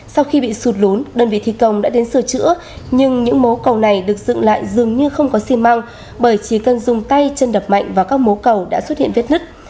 sau khi bị sụt lún đơn vị thi công đã đến sửa chữa nhưng những mố cầu này được dựng lại dường như không có xi măng bởi chỉ cần dùng tay chân đập mạnh vào các mố cầu đã xuất hiện vết nứt